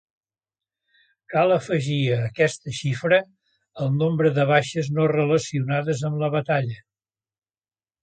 Cal afegir a aquesta xifra el nombre de baixes no relacionades amb la batalla.